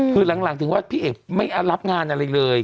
คือหลังถึงว่าพี่เอกไม่รับงานอะไรเลย